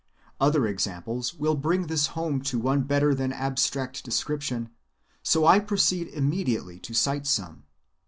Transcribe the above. Other examples will bring this home to one better than abstract description, so I proceed immediately to cite some.